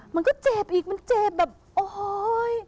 มันก็เจ็บอีกมันเจ็บแบบโอ้โห